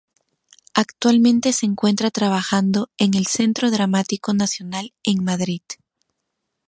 Actualmente se encuentra trabajando en el Centro Dramático Nacional en Madrid.